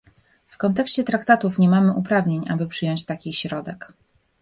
W kontekście traktatów nie mamy uprawnień, aby przyjąć taki środek